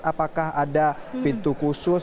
apakah ada pintu khusus